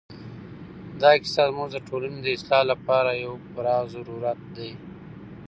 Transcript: دا کیسه زموږ د ټولنې د اصلاح لپاره یو پوره ضرورت دی.